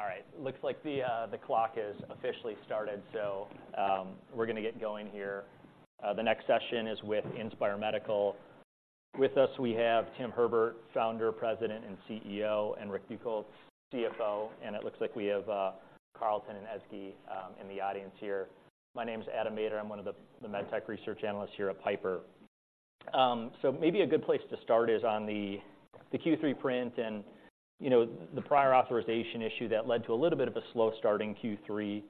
All right, looks like the clock is officially started, so we're gonna get going here. The next session is with Inspire Medical. With us, we have Tim Herbert, Founder, President, and CEO, and Rick Buchholz, CFO, and it looks like we have Carlton and Ezgi in the audience here. My name is Adam Maeder. I'm one of the med tech research analysts here at Piper. So maybe a good place to start is on the Q3 print and, you know, the prior authorization issue that led to a little bit of a slow starting Q3.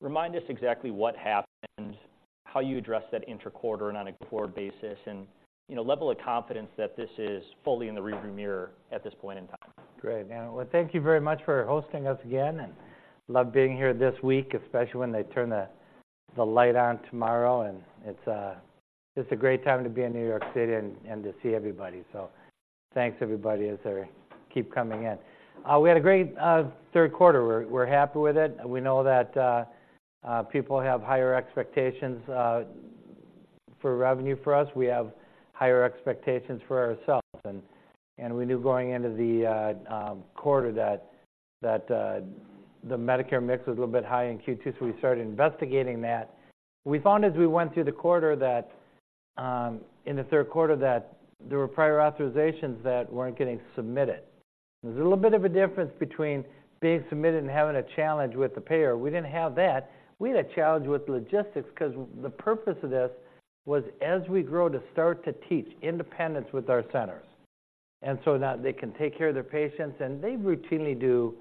Remind us exactly what happened, how you addressed that intra-quarter and on a core basis, and, you know, level of confidence that this is fully in the rearview mirror at this point in time. Great. Now, well, thank you very much for hosting us again, and love being here this week, especially when they turn the light on tomorrow. And it's a great time to be in New York City and to see everybody. So thanks, everybody, as they keep coming in. We had a great third quarter. We're happy with it. We know that people have higher expectations for revenue for us. We have higher expectations for ourselves. And we knew going into the quarter that the Medicare mix was a little bit high in Q2, so we started investigating that. We found as we went through the quarter that in the third quarter there were prior authorizations that weren't getting submitted. There's a little bit of a difference between being submitted and having a challenge with the payer. We didn't have that. We had a challenge with logistics because the purpose of this was, as we grow, to start to teach independence with our centers, and so that they can take care of their patients, and they routinely do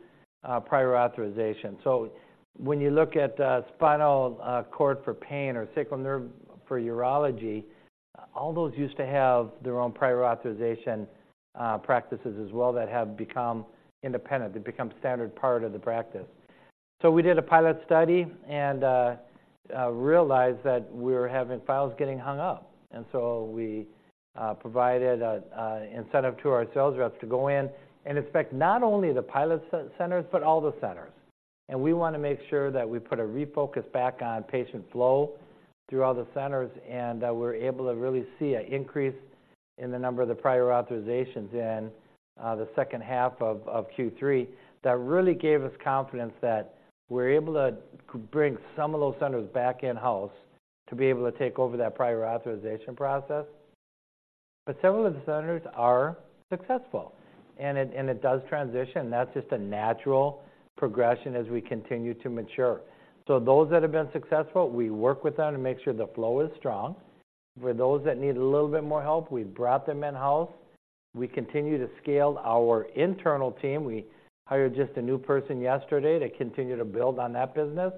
prior authorization. So when you look at spinal cord for pain or sacral nerve for urology, all those used to have their own prior authorization practices as well that have become independent. They've become a standard part of the practice. So we did a pilot study and realized that we were having files getting hung up, and so we provided a incentive to our sales reps to go in and inspect not only the pilot centers but all the centers. We wanna make sure that we put a refocus back on patient flow through all the centers, and that we're able to really see an increase in the number of the prior authorizations in the second half of Q3. That really gave us confidence that we're able to bring some of those centers back in-house to be able to take over that prior authorization process. But several of the centers are successful, and it, and it does transition. That's just a natural progression as we continue to mature. So those that have been successful, we work with them to make sure the flow is strong. For those that need a little bit more help, we've brought them in-house. We continue to scale our internal team. We hired just a new person yesterday to continue to build on that business.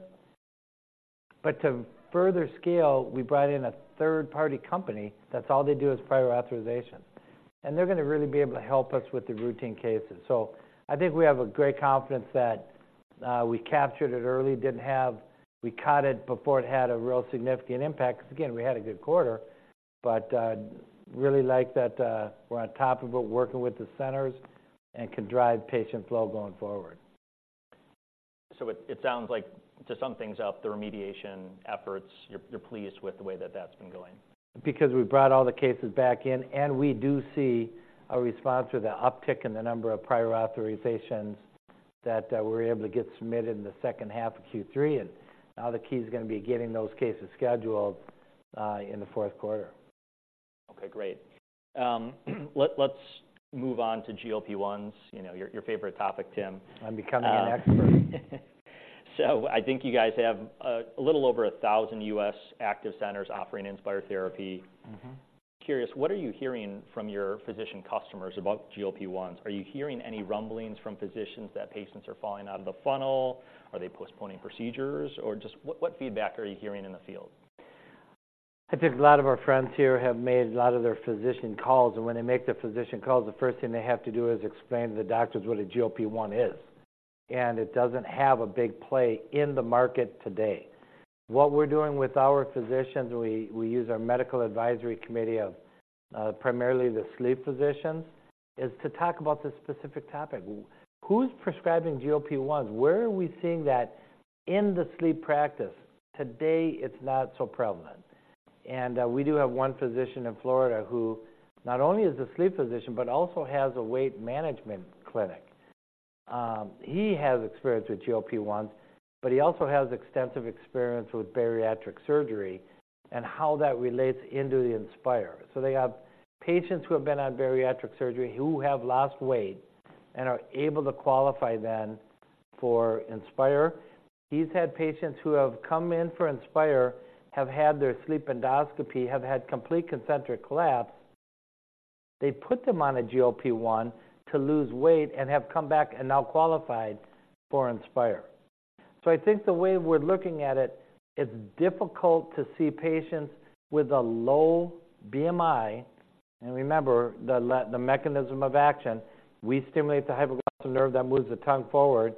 But to further scale, we brought in a third-party company that's all they do is prior authorization, and they're gonna really be able to help us with the routine cases. So I think we have a great confidence that we captured it early. We caught it before it had a real significant impact, because, again, we had a good quarter. But really like that we're on top of it, working with the centers, and can drive patient flow going forward. So it sounds like, to sum things up, the remediation efforts, you're pleased with the way that that's been going? Because we brought all the cases back in, and we do see a response with an uptick in the number of prior authorizations that we're able to get submitted in the second half of Q3, and now the key is gonna be getting those cases scheduled in the fourth quarter. Okay, great. Let's move on to GLP-1s, you know, your, your favorite topic, Tim. I'm becoming an expert. I think you guys have a little over 1,000 U.S. active centers offering Inspire therapy. Mm-hmm. Curious, what are you hearing from your physician customers about GLP-1s? Are you hearing any rumblings from physicians that patients are falling out of the funnel? Are they postponing procedures, or just what, what feedback are you hearing in the field? I think a lot of our friends here have made a lot of their physician calls, and when they make their physician calls, the first thing they have to do is explain to the doctors what a GLP-1 is, and it doesn't have a big play in the market today. What we're doing with our physicians, we use our medical advisory committee of primarily the sleep physicians, is to talk about this specific topic. Who's prescribing GLP-1s? Where are we seeing that in the sleep practice? Today, it's not so prevalent. We do have one physician in Florida who not only is a sleep physician but also has a weight management clinic. He has experience with GLP-1s, but he also has extensive experience with bariatric surgery and how that relates into the Inspire. So they have patients who have been on bariatric surgery, who have lost weight and are able to qualify then for Inspire. He's had patients who have come in for Inspire, have had their sleep endoscopy, have had complete concentric collapse. They put them on a GLP-1 to lose weight and have come back and now qualified for Inspire. So I think the way we're looking at it, it's difficult to see patients with a low BMI. And remember, the mechanism of action, we stimulate the hypoglossal nerve that moves the tongue forward.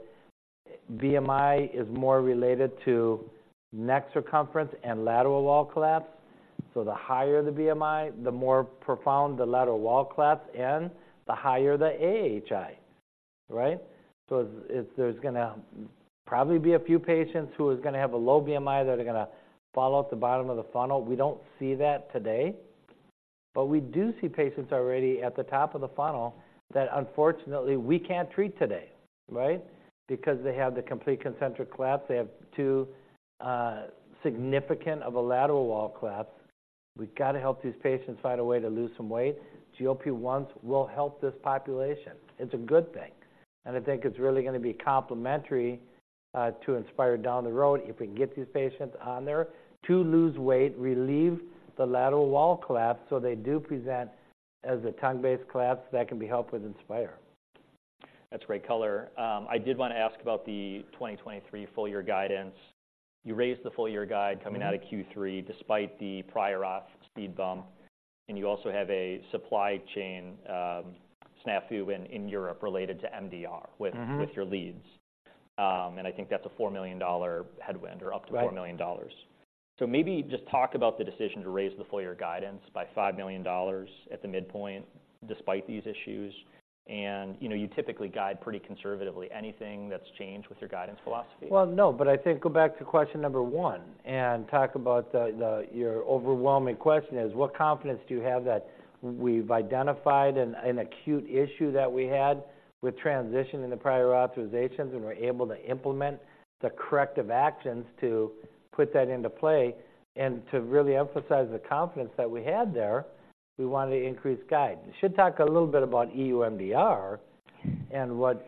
BMI is more related to neck circumference and lateral wall collapse. So the higher the BMI, the more profound the lateral wall collapse and the higher the AHI, right? So it's, there's gonna probably be a few patients who is gonna have a low BMI, that are gonna fall off the bottom of the funnel. We don't see that today. But we do see patients already at the top of the funnel that unfortunately we can't treat today, right? Because they have the complete concentric collapse. They have too significant of a lateral wall collapse. We've got to help these patients find a way to lose some weight. GLP-1s will help this population. It's a good thing, and I think it's really gonna be complementary to Inspire down the road if we can get these patients on there to lose weight, relieve the lateral wall collapse, so they do present as a tongue-based collapse that can be helped with Inspire. That's great color. I did want to ask about the 2023 full year guidance. You raised the full year guide- Mm-hmm. - coming out of Q3, despite the prior auth speed bump, and you also have a supply chain snafu in Europe related to MDR- Mm-hmm... with your leads. And I think that's a $4 million headwind or up to- Right $4 million. So maybe just talk about the decision to raise the full year guidance by $5 million at the midpoint despite these issues, and, you know, you typically guide pretty conservatively. Anything that's changed with your guidance philosophy? Well, no, but I think go back to question number one and talk about the... Your overwhelming question is: What confidence do you have that we've identified an acute issue that we had with transitioning the prior authorizations, and we're able to implement the corrective actions to put that into play? And to really emphasize the confidence that we had there, we wanted to increase guide. Should talk a little bit about EU MDR and what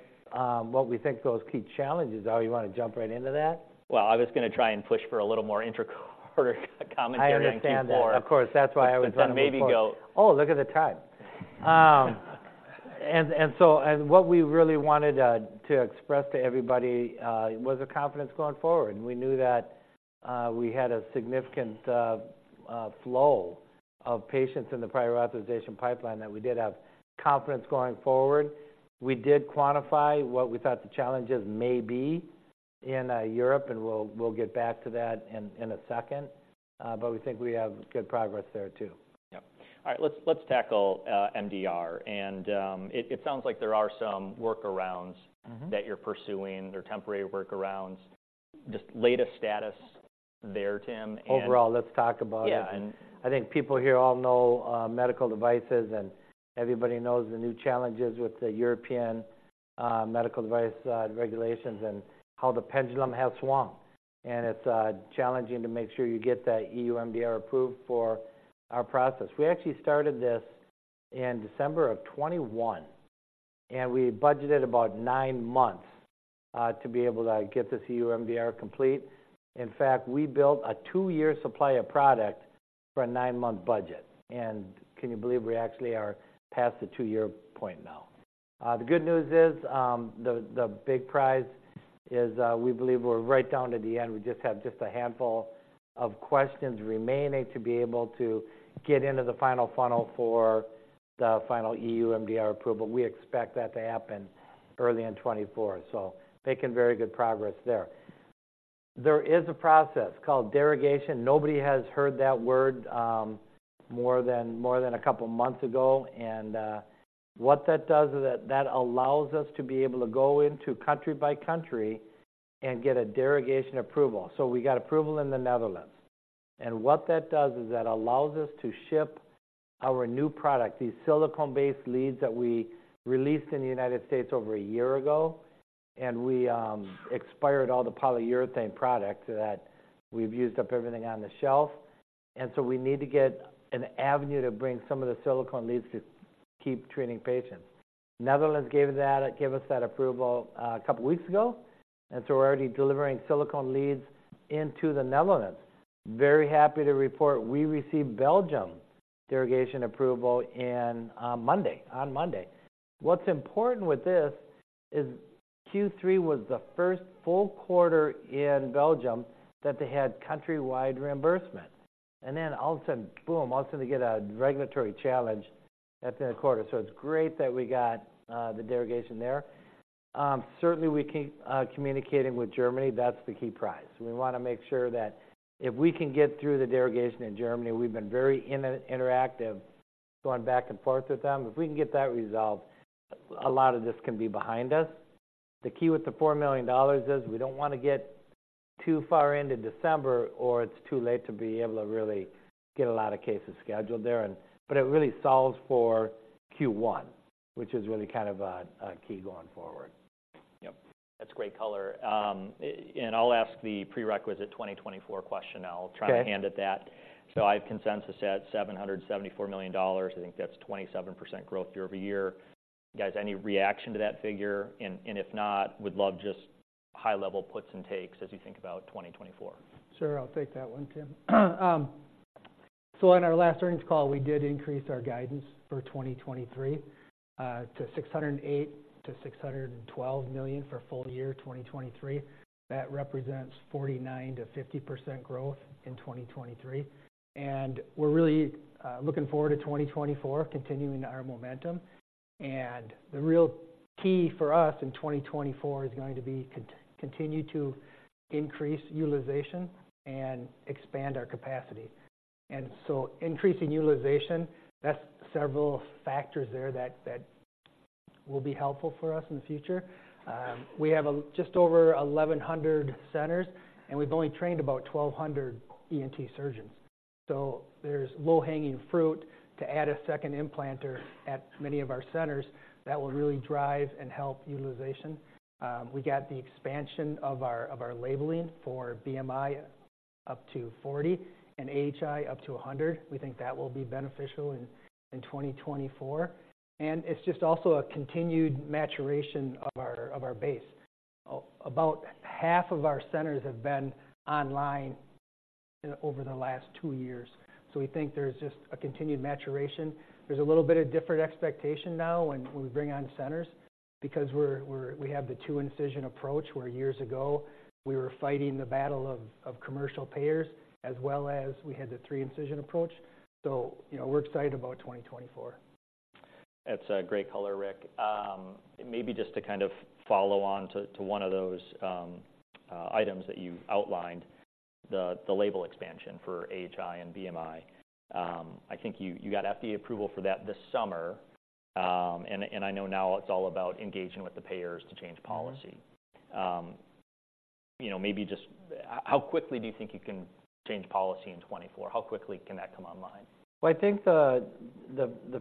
we think those key challenges are. You wanna jump right into that? Well, I was gonna try and push for a little more intra-quarter commentary on Q4. I understand that. Of course, that's why I was- But then maybe go- Oh, look at the time. So, what we really wanted to express to everybody was the confidence going forward. We knew that we had a significant flow of patients in the Prior Authorization pipeline, that we did have confidence going forward. We did quantify what we thought the challenges may be in Europe, and we'll get back to that in a second. But we think we have good progress there, too. Yep. All right, let's tackle MDR. And it sounds like there are some workarounds- Mm-hmm... that you're pursuing, or temporary workarounds. Just latest status there, Tim, and- Overall, let's talk about it. Yeah, and- I think people here all know medical devices, and everybody knows the new challenges with the European medical device regulations and how the pendulum has swung. It's challenging to make sure you get that EU MDR approved for our process. We actually started this in December 2021, and we budgeted about nine months to be able to get this EU MDR complete. In fact, we built a two-year supply of product for a nine-month budget, and can you believe we actually are past the two-year point now? The good news is, the big prize is, we believe we're right down to the end. We just have a handful of questions remaining to be able to get into the final funnel for the final EU MDR approval. We expect that to happen early in 2024, so making very good progress there. There is a process called derogation. Nobody has heard that word more than a couple of months ago, and what that does is that allows us to be able to go into country by country and get a derogation approval. So we got approval in the Netherlands, and what that does is that allows us to ship our new product, these silicone-based leads that we released in the United States over a year ago, and we expired all the polyurethane products that we've used up everything on the shelf. So we need to get an avenue to bring some of the silicone leads to keep treating patients. Netherlands gave that, gave us that approval a couple of weeks ago, and so we're already delivering silicone leads into the Netherlands. Very happy to report we received Belgium derogation approval in, on Monday, on Monday. What's important with this is Q3 was the first full quarter in Belgium that they had countrywide reimbursement, and then all of a sudden, boom! All of a sudden, they get a regulatory challenge at the end of the quarter. So it's great that we got, the derogation there. Certainly, we keep, communicating with Germany. That's the key prize. We wanna make sure that if we can get through the derogation in Germany, we've been very interactive, going back and forth with them. If we can get that resolved, a lot of this can be behind us. The key with the $4 million is we don't wanna get too far into December, or it's too late to be able to really get a lot of cases scheduled there. But it really solves for Q1, which is really kind of a key going forward. Yep, that's great color. And I'll ask the prerequisite 2024 question now. Okay. Try a hand at that. So I have consensus at $774 million. I think that's 27% growth year-over-year. You guys, any reaction to that figure? And, and if not, would love just high-level puts and takes as you think about 2024. Sure, I'll take that one, Tim. So in our last earnings call, we did increase our guidance for 2023 to $608 million-$612 million for full year 2023. That represents 49-50% growth in 2023, and we're really looking forward to 2024, continuing our momentum. And the real key for us in 2024 is going to be continue to increase utilization and expand our capacity. And so increasing utilization, that's several factors there that will be helpful for us in the future. We have just over 1,100 centers, and we've only trained about 1,200 ENT surgeons. So there's low-hanging fruit to add a second implanter at many of our centers that will really drive and help utilization. We got the expansion of our, of our labeling for BMI up to 40 and AHI up to 100. We think that will be beneficial in, in 2024. And it's just also a continued maturation of our, of our base. About half of our centers have been online over the last two years, so we think there's just a continued maturation. There's a little bit of different expectation now when, when we bring on centers because we're, we're - we have the two-incision approach, where years ago we were fighting the battle of, of commercial payers as well as we had the three-incision approach. So, you know, we're excited about 2024. That's a great color, Rick. Maybe just to kind of follow on to one of those items that you outlined, the label expansion for AHI and BMI. I think you got FDA approval for that this summer, and I know now it's all about engaging with the payers to change policy. Mm-hmm. You know, maybe just how quickly do you think you can change policy in 2024? How quickly can that come online? Well, I think the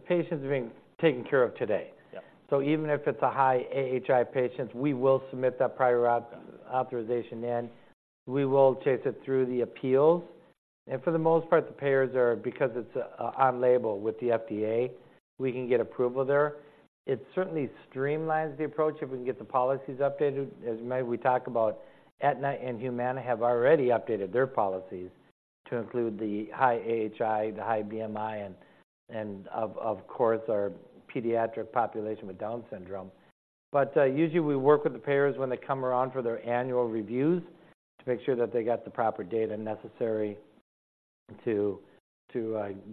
patients are being taken care of today. Yeah. So even if it's a high AHI patient, we will submit that prior authorization in, we will chase it through the appeals, and for the most part, the payers are... because it's on label with the FDA, we can get approval there. It certainly streamlines the approach if we can get the policies updated. As maybe we talk about Aetna and Humana have already updated their policies to include the high AHI, the high BMI, and, and of, of course, our pediatric population with Down syndrome. But usually we work with the payers when they come around for their annual reviews to make sure that they got the proper data necessary to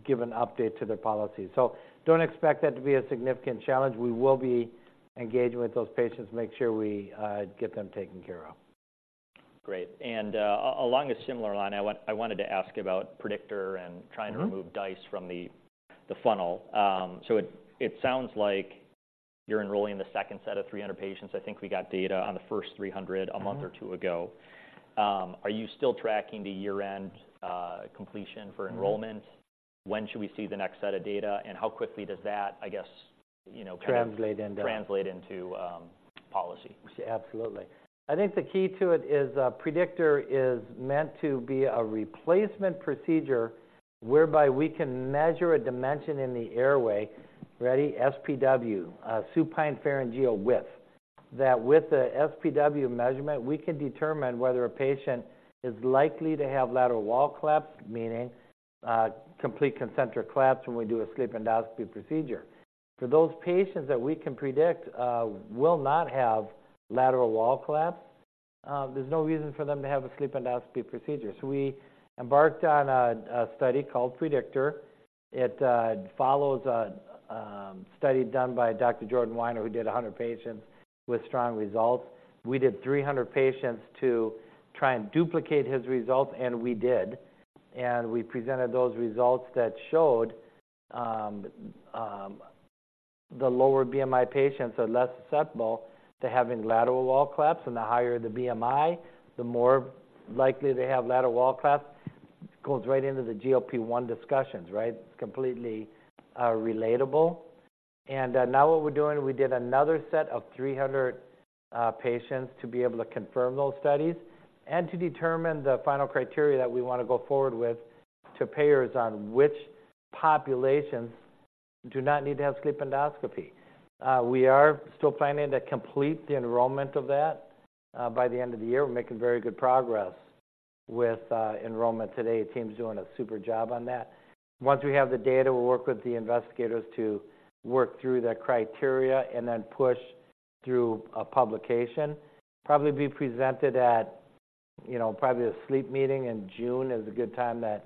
give an update to their policy. So don't expect that to be a significant challenge. We will be engaging with those patients to make sure we get them taken care of. Great. And, along a similar line, I wanted to ask about PREDICTOR- Mm-hmm... and trying to remove DISE from the funnel. So it sounds like you're enrolling the second set of 300 patients. I think we got data on the first 300- Mm-hmm... a month or two ago. Are you still tracking the year-end completion for enrollment? Mm-hmm. When should we see the next set of data, and how quickly does that, I guess, you know, kind of- Translate into- Translate into policy? Absolutely. I think the key to it is, PREDICTOR is meant to be a replacement procedure whereby we can measure a dimension in the airway, SPW, supine pharyngeal width. That, with the SPW measurement, we can determine whether a patient is likely to have lateral wall collapse, meaning complete concentric collapse when we do a sleep endoscopy procedure. For those patients that we can predict will not have lateral wall collapse, there's no reason for them to have a sleep endoscopy procedure. So we embarked on a study called PREDICTOR. It follows a study done by Dr. Jordan Weiner, who did 100 patients with strong results. We did 300 patients to try and duplicate his results, and we did. We presented those results that showed the lower BMI patients are less susceptible to having lateral wall collapse, and the higher the BMI, the more likely to have lateral wall collapse. Goes right into the GLP-1 discussions, right? It's completely relatable. Now what we're doing, we did another set of 300 patients to be able to confirm those studies and to determine the final criteria that we wanna go forward with to payers on which populations do not need to have sleep endoscopy. We are still planning to complete the enrollment of that by the end of the year. We're making very good progress with enrollment today. The team's doing a super job on that. Once we have the data, we'll work with the investigators to work through the criteria and then push through a publication. Probably be presented at, you know, probably the sleep meeting in June is a good time that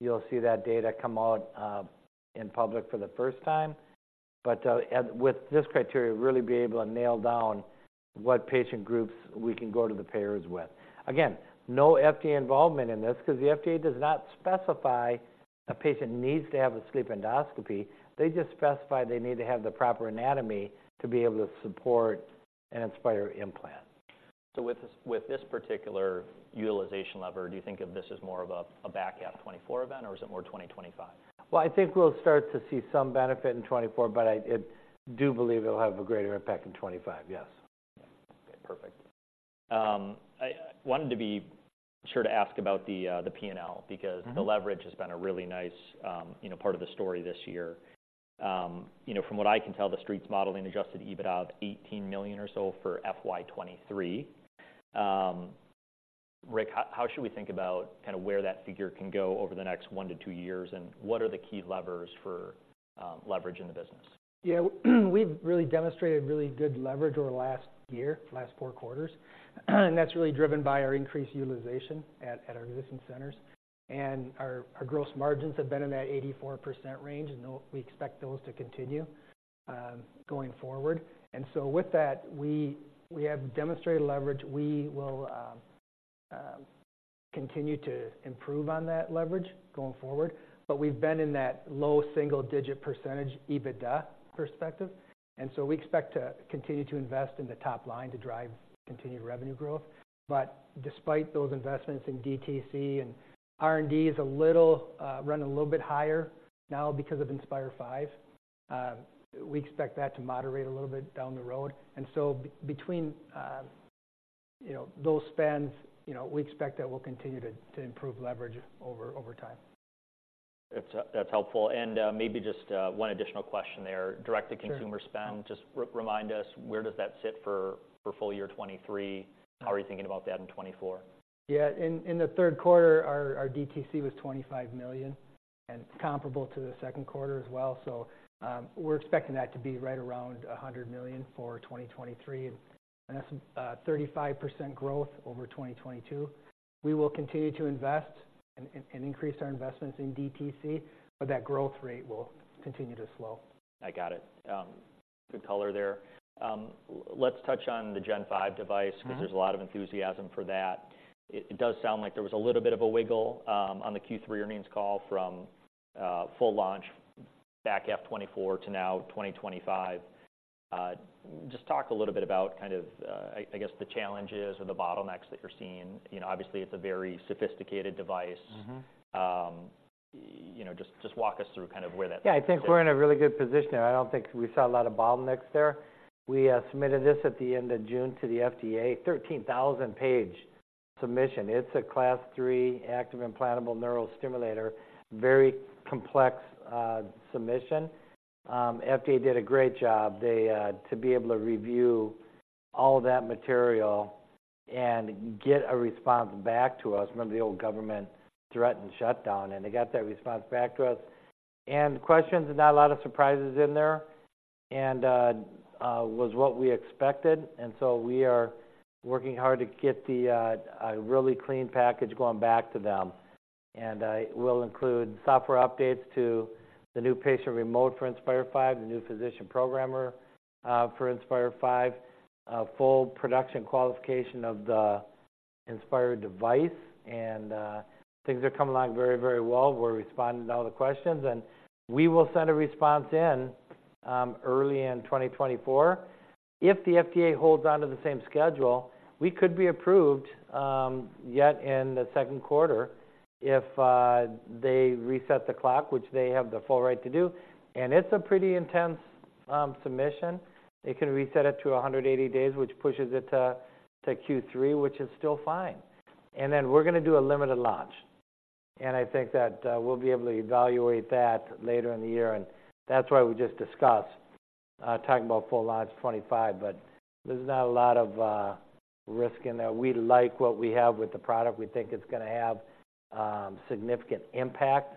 you'll see that data come out in public for the first time. But with this criteria, really be able to nail down what patient groups we can go to the payers with. Again, no FDA involvement in this because the FDA does not specify a patient needs to have a sleep endoscopy. They just specify they need to have the proper anatomy to be able to support an Inspire implant. So with this, with this particular utilization lever, do you think of this as more of a back half 2024 event, or is it more 2025? Well, I think we'll start to see some benefit in 2024, but I do believe it'll have a greater impact in 2025. Yes. Okay, perfect. I wanted to be sure to ask about the, the PNL- Mm-hmm... because the leverage has been a really nice, you know, part of the story this year. You know, from what I can tell, the street's modeling adjusted EBITDA of $18 million or so for FY 2023. Rick, how should we think about kind of where that figure can go over the next one-two years, and what are the key levers for, leverage in the business? Yeah, we've really demonstrated really good leverage over the last year, last four quarters. That's really driven by our increased utilization at our existing centers. Our gross margins have been in that 84% range, and we expect those to continue going forward. So with that, we have demonstrated leverage. We will-... continue to improve on that leverage going forward. But we've been in that low single-digit % EBITDA perspective, and so we expect to continue to invest in the top line to drive continued revenue growth. But despite those investments in DTC, and R&D is a little running a little bit higher now because of Inspire V. We expect that to moderate a little bit down the road. And so between, you know, those spends, you know, we expect that we'll continue to improve leverage over time. That's, that's helpful. And, maybe just, one additional question there. Sure. Direct-to-consumer spend, just remind us, where does that sit for full year 2023? How are you thinking about that in 2024? Yeah. In the third quarter, our DTC was $25 million, and it's comparable to the second quarter as well. So, we're expecting that to be right around $100 million for 2023, and that's 35% growth over 2022. We will continue to invest and increase our investments in DTC, but that growth rate will continue to slow. I got it. Good color there. Let's touch on the Gen 5 device- Mm-hmm. 'Cause there's a lot of enthusiasm for that. It does sound like there was a little bit of a wiggle on the Q3 earnings call from full launch back FY 2024 to now 2025. Just talk a little bit about kind of, I guess, the challenges or the bottlenecks that you're seeing. You know, obviously, it's a very sophisticated device. Mm-hmm. You know, just walk us through kind of where that- Yeah, I think we're in a really good position there. I don't think we saw a lot of bottlenecks there. We submitted this at the end of June to the FDA, 13,000-page submission. It's a Class III active implantable neurostimulator, very complex submission. FDA did a great job. They to be able to review all that material and get a response back to us from the old government threatened shutdown, and they got that response back to us. The questions, there's not a lot of surprises in there, and was what we expected, and so we are working hard to get a really clean package going back to them. It will include software updates to the new patient remote for Inspire V, the new physician programmer for Inspire V, full production qualification of the Inspire device, and things are coming along very, very well. We're responding to all the questions, and we will send a response in early 2024. If the FDA holds onto the same schedule, we could be approved yet in the second quarter if they reset the clock, which they have the full right to do. And it's a pretty intense submission. They can reset it to 180 days, which pushes it to Q3, which is still fine. And then we're gonna do a limited launch, and I think that we'll be able to evaluate that later in the year, and that's why we just discussed talking about full launch 2025. There's not a lot of risk in there. We like what we have with the product. We think it's gonna have significant impact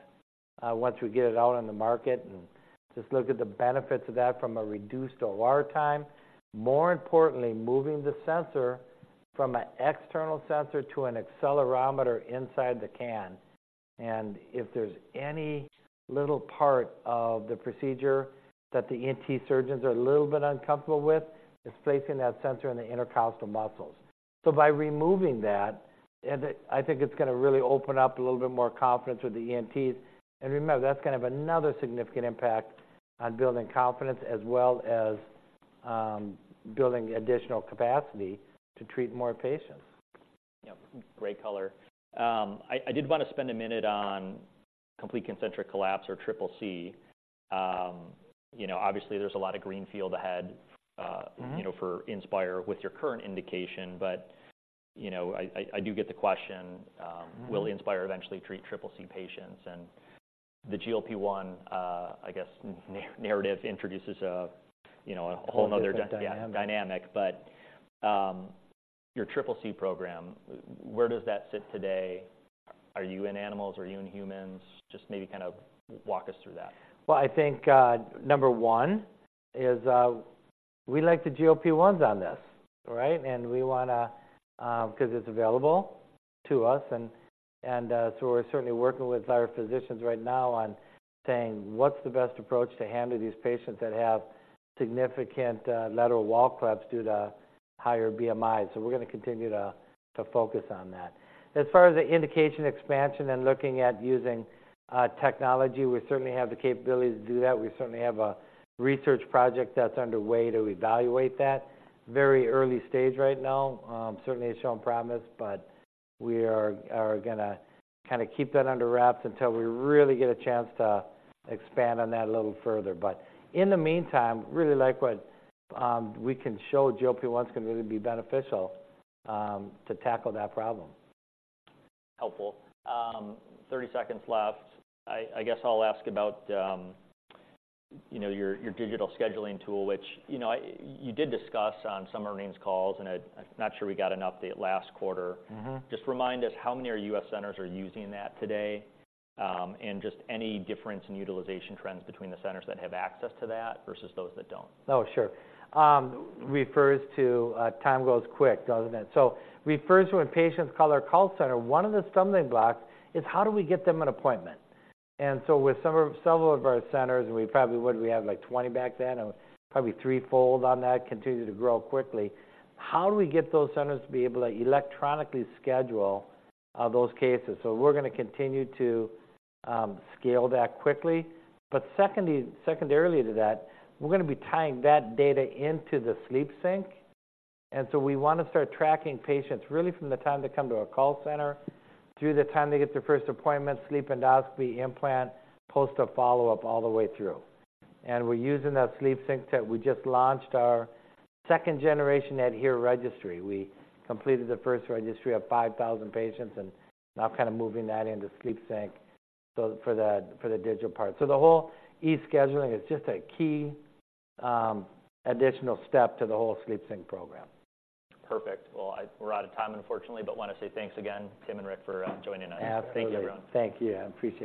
once we get it out on the market, and just look at the benefits of that from a reduced OR time. More importantly, moving the sensor from an external sensor to an accelerometer inside the can. If there's any little part of the procedure that the ENT surgeons are a little bit uncomfortable with, it's placing that sensor in the intercostal muscles. So by removing that, and I think it's gonna really open up a little bit more confidence with the ENTs. Remember, that's kind of another significant impact on building confidence, as well as building additional capacity to treat more patients. Yeah, great color. I did want to spend a minute on Complete Concentric Collapse, or CCC. You know, obviously there's a lot of greenfield ahead. Mm-hmm... you know, for Inspire with your current indication, but, you know, I do get the question: Mm-hmm. Will Inspire eventually treat CCC patients? And the GLP-1, I guess, narrative introduces a, you know, a whole other- Dynamic... dynamic. But, your CCC program, where does that sit today? Are you in animals? Are you in humans? Just maybe kind of walk us through that. Well, I think, number one is, we like the GLP-1s on this, right? And we wanna, 'cause it's available to us, and so we're certainly working with our physicians right now on saying, "What's the best approach to handle these patients that have significant, lateral wall collapse due to higher BMIs?" So we're gonna continue to focus on that. As far as the indication expansion and looking at using technology, we certainly have the capability to do that. We certainly have a research project that's underway to evaluate that. Very early stage right now. Certainly it's showing promise, but we are gonna kinda keep that under wraps until we really get a chance to expand on that a little further. But in the meantime, really like what we can show GLP-1 is gonna really be beneficial to tackle that problem. Helpful. 30 seconds left. I guess I'll ask about, you know, your digital scheduling tool, which, you know, you did discuss on some earnings calls, and I'm not sure we got an update last quarter. Mm-hmm. Just remind us, how many of your U.S. centers are using that today? Just any difference in utilization trends between the centers that have access to that versus those that don't? Oh, sure. Refers to... Time goes quick, doesn't it? So refers to when patients call our call center, one of the stumbling blocks is: How do we get them an appointment? And so with several, several of our centers, and we probably what, we had, like, 20 back then and probably threefold on that, continue to grow quickly, how do we get those centers to be able to electronically schedule those cases? So we're gonna continue to scale that quickly. But secondly, secondarily to that, we're gonna be tying that data into the SleepSync, and so we wanna start tracking patients really from the time they come to our call center through the time they get their first appointment, sleep endoscopy, implant, post-op follow-up, all the way through. And we're using that SleepSync that we just launched, our second generation ADHERE registry. We completed the first registry of 5,000 patients and now kind of moving that into SleepSync, so for the digital part. So the whole e-scheduling is just a key additional step to the whole SleepSync program. Perfect. Well, we're out of time, unfortunately, but want to say thanks again, Tim and Rick, for joining us. Absolutely. Thank you, everyone. Thank you. I appreciate it.